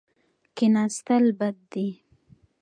کښېناستل بد دي.